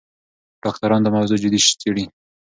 ډاکټران دا موضوع جدي څېړي.